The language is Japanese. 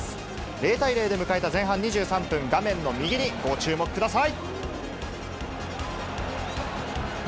０対０で迎えた前半２３分、画面の右にご注目ください。